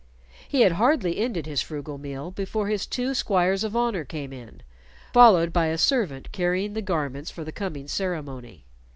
He had hardly ended his frugal meal before his two squires of honor came in, followed by a servant carrying the garments for the coming ceremony.